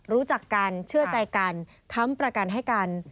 รู้จักกันเชื่อใจกันค้ำประกันให้กัน